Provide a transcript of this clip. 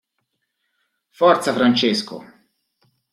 Forza Francesco!